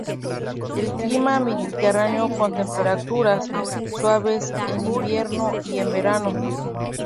El clima mediterráneo con temperaturas suaves en invierno y en verano.